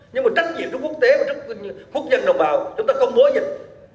nhưng mà trách nhiệm cho quốc tế và cho quốc dân đồng bào chúng ta không bố dịch